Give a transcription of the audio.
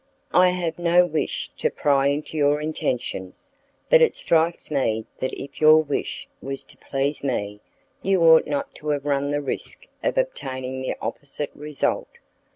"I have no wish to pry into your intentions, but it strikes me that if your wish was to please me, you ought not to have run the risk of obtaining the opposite result.